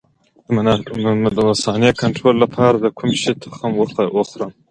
د مثانې د کنټرول لپاره د کوم شي تخم وخورم؟